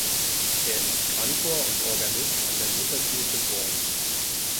Er ist Kantor und Organist an der Lutherkirche Worms.